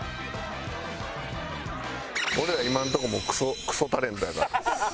俺ら今のとこもうクソタレントやから。